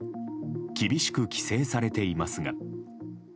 厳しく規制されていますが。